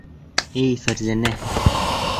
Эй, Фәрзәнә...